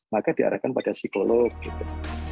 maka diarahkan pada psikolog gitu